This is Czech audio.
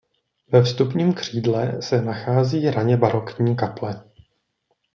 Ve vstupním křídle se nachází raně barokní kaple.